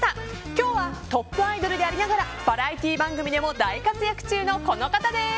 今日はトップアイドルでありながらバラエティー番組でも大活躍中のこの方です。